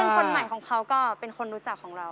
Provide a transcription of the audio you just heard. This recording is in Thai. คนใหม่ของเขาก็เป็นคนรู้จักของเรา